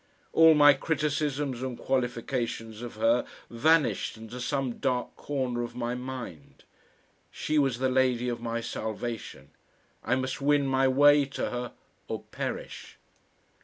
All my criticisms and qualifications of her vanished into some dark corner of my mind. She was the lady of my salvation; I must win my way to her or perish.